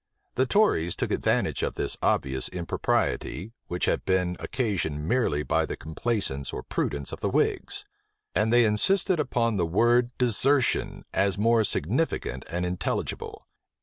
The tories took advantage of this obvious impropriety, which had been occasioned merely by the complaisance or prudence of the whigs; and they insisted upon the word desertion, as more significant and intelligible.